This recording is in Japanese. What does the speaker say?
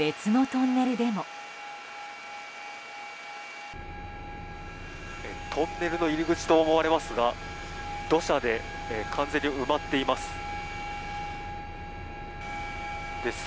トンネルの入り口と思われますが土砂で完全に埋まっています。